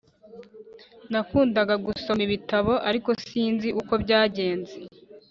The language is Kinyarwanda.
Nakundaga gusoma ibitabo ariko sinzi uko byagenze